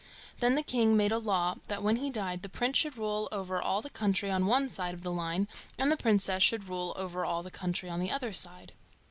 Then the king made a law that when he died the Prince should rule over all the country on one side of the line, and the Princess should rule over all the country on the other side.